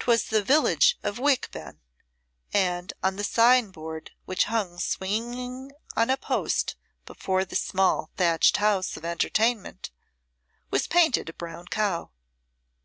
'Twas the village of Wickben, and on the signboard which hung swinging on a post before the small thatched house of entertainment was painted a brown cow.